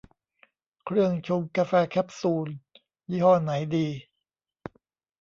เครื่องชงกาแฟแคปซูล ยี่ห้อไหนดี